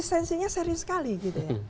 esensinya serius sekali gitu ya